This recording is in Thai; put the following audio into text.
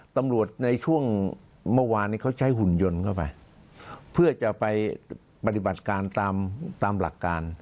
ตำรวจในช่วงเมื่อวานนี้เขาใช้หุ่นยนต์เข้าไปเพื่อจะไปปฏิบัติการตามหลักการ